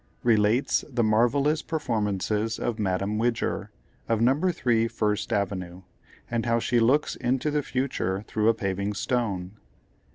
Relates the marvellous performances of Madame Widger, of No. 3, First Avenue, and how she looks into the future through a Paving Stone.